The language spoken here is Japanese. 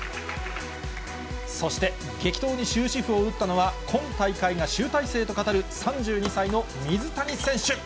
そして、激闘に終止符を打ったのは、今大会が集大成と語る、３２歳の水谷選手。